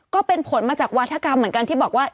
ก็เป็นผลมาจากวาธกรรมเหมือนกันที่บอกว่า